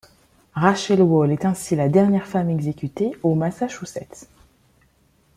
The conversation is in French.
Rachel Wall est ainsi la dernière femme exécutée au Massachussetts.